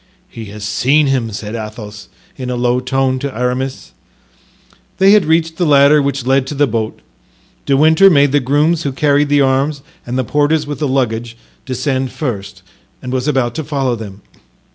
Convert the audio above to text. "He has seen him," said Athos, in a low tone, to Aramis. They had reached the ladder which led to the boat. De Winter made the grooms who carried the arms and the porters with the luggage descend first and was about to follow them.